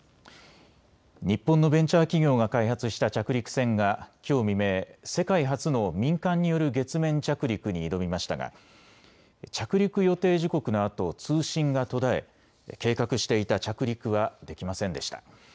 日本のベンチャー企業が開発した着陸船がきょう未明、世界初の民間による月面着陸に挑みましたが着陸予定時刻のあと通信が途絶え計画していた着陸はできませんでした。